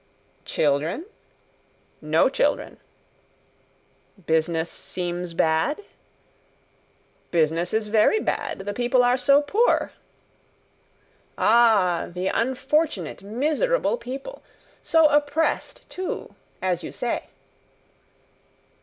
"Children?" "No children." "Business seems bad?" "Business is very bad; the people are so poor." "Ah, the unfortunate, miserable people! So oppressed, too as you say."